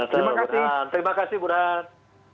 terima kasih burhan